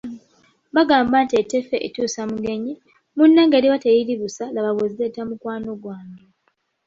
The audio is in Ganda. Bagamba nti eteefe etuusa mugenyi, munnange liba teriri busa laba bwe zireeta mukwano gwe.